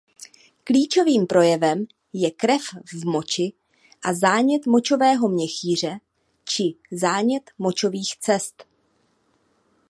Klíčovým projevem je krev v moči a zánět močového měchýře či zánět močových cest.